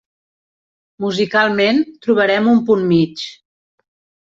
Musicalment, trobarem un punt mig.